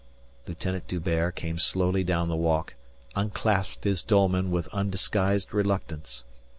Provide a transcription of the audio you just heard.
Lieutenant D'Hubert, coming slowly down the walk, unclasped his dolman with undisguised reluctance.